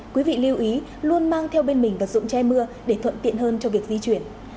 quý vị lưu ý luôn mang theo bên mình vật dụng che mưa để thuận tiện hơn cho việc di chuyển